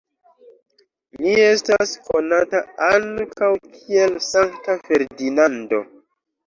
Li estas konata ankaŭ kiel Sankta Ferdinando.